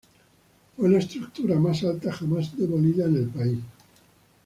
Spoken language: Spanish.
Fue la estructura más alta jamás demolida en el país.